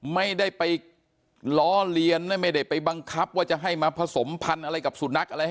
ไม่ได้ไปล้อเลียนไม่ได้ไปบังคับว่าจะให้มาผสมพันธุ์อะไรกับสุนัขอะไร